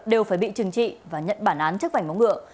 đều phải bị trừng trị và nhận bản án chất vảnh móng ngựa